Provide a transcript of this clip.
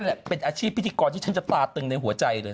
แหละเป็นอาชีพพิธีกรที่ฉันจะตาตึงในหัวใจเลย